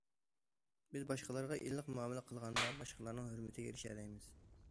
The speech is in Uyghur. بىز باشقىلارغا ئىللىق مۇئامىلە قىلغاندا باشقىلارنىڭ ھۆرمىتىگە ئېرىشەلەيمىز.